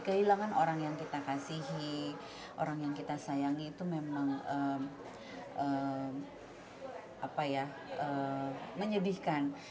kehilangan orang yang kita kasihi orang yang kita sayangi itu memang menyedihkan